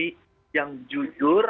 dan juga untuk mengurangi laju penularan